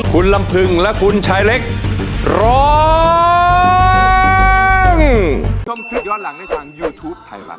คุณลำพึงและคุณชายเล็กร้อง